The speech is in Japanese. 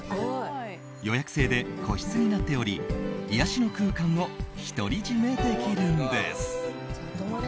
予約制で個室になっており癒やしの空間を独り占めできるんです。